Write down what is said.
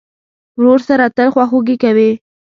ورور سره تل خواخوږي کوې.